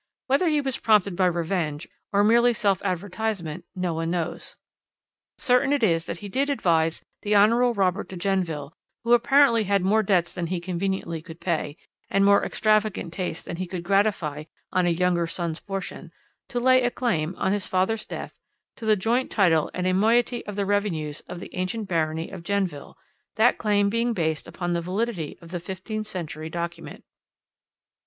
Whether he was prompted by revenge or merely self advertisement no one knows. "Certain it is that he did advise the Hon. Robert de Genneville who apparently had more debts than he conveniently could pay, and more extravagant tastes than he could gratify on a younger son's portion to lay a claim, on his father's death, to the joint title and a moiety of the revenues of the ancient barony of Genneville, that claim being based upon the validity of the fifteenth century document.